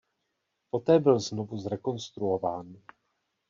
Poté byl znovu zrekonstruován.